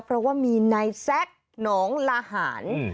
เพราะว่ามีนายแซ็กหนองลาหาร